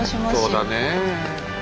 そうだねえ。